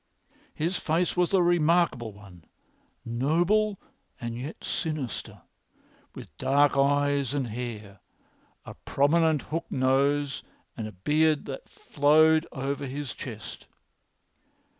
His face was a remarkable one, noble and yet sinister, with dark eyes and hair, a prominent hooked nose, and a beard which flowed over his chest.